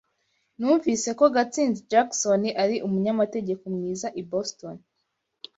Numvise ko Gatsinzi Jackson ari umunyamategeko mwiza i Boston.